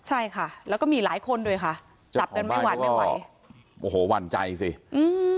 ใช่ค่ะแล้วก็มีหลายคนด้วยค่ะจับกันไม่หวัดไม่ไหวโอ้โหหวั่นใจสิอืม